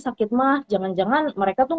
sakit mah jangan jangan mereka tuh